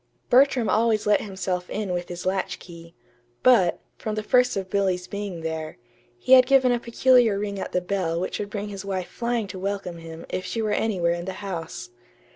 Bertram always let himself in with his latchkey; but, from the first of Billy's being there, he had given a peculiar ring at the bell which would bring his wife flying to welcome him if she were anywhere in the house.